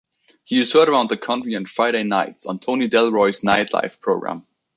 He is heard around the country on Friday nights on Tony Delroy's "Nightlife" program.